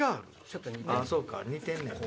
ちょっと似てんねん。